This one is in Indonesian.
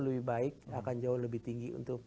lebih baik akan jauh lebih tinggi untuk